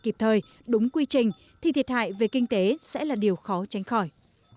kịp thời đúng quy trình thì thiệt hại về kinh tế sẽ là điều khó tránh khỏi